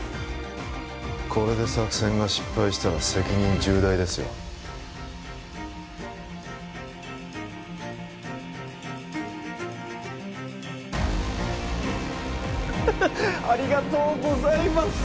これで作戦が失敗したら責任重大ですよフフッありがとうございます